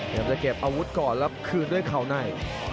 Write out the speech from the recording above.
จะเก็บอาวุธก่อนแล้วคืนด้วยเข่าใน